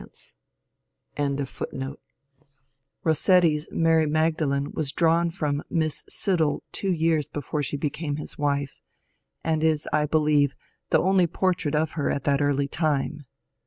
ROSSETTI AND HIS WIFE 127 Bossetti's Mary Magdalene was drawn from Miss Siddal two years before she became his wife, and is, I believe, the only portrait of her at that early time.